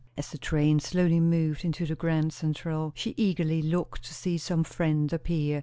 As the train slowly moved into the Grand Central, she eagerly looked to see some friend appear.